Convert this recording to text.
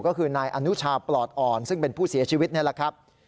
ก็คือนายอนุชาปลอดอ่อนซึ่งเป็นผู้เสียชีวิตนี่แหละครับ